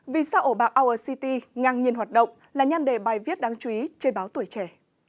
vì sao ổ bạc our city ngang nhiên hoạt động là nhan đề bài viết đáng chú ý trên báo tuổi trẻ